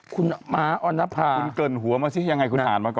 คุณม้าออนภาคุณเกินหัวมาสิยังไงคุณอ่านมาก่อน